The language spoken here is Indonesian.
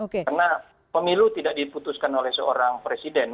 karena pemilu tidak diputuskan oleh seorang presiden